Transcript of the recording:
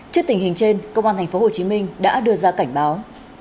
trước tình hình trên công an tp hcm đã đưa ra cảnh báo